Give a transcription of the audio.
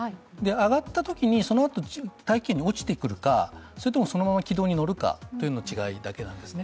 上がったときに、そのあと大気圏に落ちてくるか、それとも、そのまま軌道に乗るかの違いだけです。